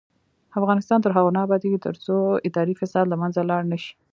افغانستان تر هغو نه ابادیږي، ترڅو اداري فساد له منځه لاړ نشي.